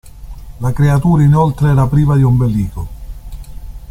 La creatura inoltre era priva di ombelico.